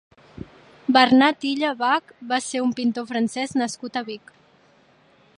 Bernat Ylla Bach va ser un pintor francès nascut a Vic.